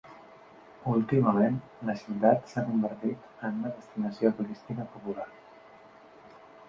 Últimament, la ciutat s'ha convertit en una destinació turística popular.